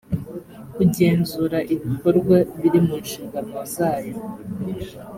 kugenzura ibikorwa biri mu nshingano zayo